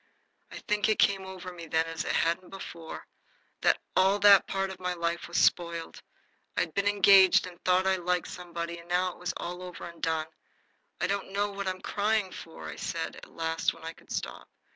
I think it came over me then, as it hadn't before, that all that part of my life was spoiled. I'd been engaged and thought I liked somebody, and now it was all over and done. "I don't know what I'm crying for," I said, at last, when I could stop.